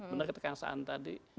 menurut kekasaan tadi